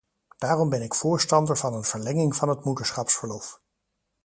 Daarom ben ik voorstander van een verlenging van het moederschapsverlof.